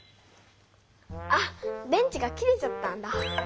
あ電池が切れちゃったんだ。